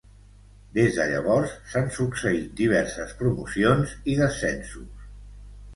Des de llavors s'han succeït diverses promocions i descensos.